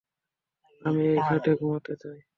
আমি এই খাটে ঘুমাতে চাই।